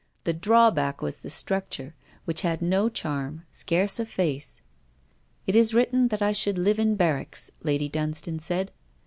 The drawback was the structure, which had no charm, scarce a face. 'It is written that I should live in barracks,' Lady Dunstane said.